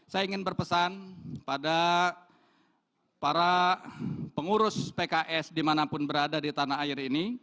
saya ingin berpesan pada para pengurus pks dimanapun berada di tanah air ini